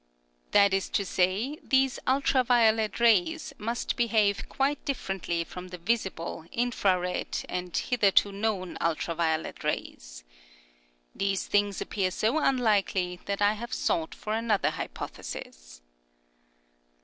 That is to say, these ultra violet rays must behave quite differently from the visi ble, infra red, and hitherto known ultra violet rays. These things appear so unlikely that I have sought for another hypothesis.